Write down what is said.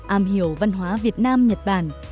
am hiểu văn hóa việt nam nhật bản